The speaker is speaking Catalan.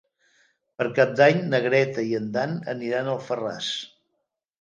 Per Cap d'Any na Greta i en Dan aniran a Alfarràs.